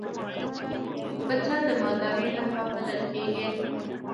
پسه د مالدارۍ نښه بلل کېږي.